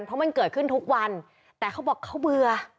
เพราะมันเกิดขึ้นทุกวันแต่เขาบอกเขาเบื่อ